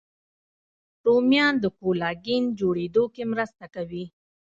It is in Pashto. رومیان د کولاګین جوړېدو کې مرسته کوي